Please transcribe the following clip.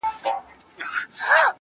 گراني اوس دي سترگي رانه پټي كړه.